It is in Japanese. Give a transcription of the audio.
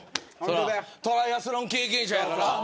トライアスロン経験者やから。